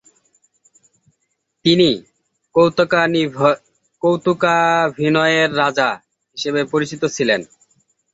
তিনি "কৌতুকাভিনয়ের রাজা" হিসেবে পরিচিত ছিলেন।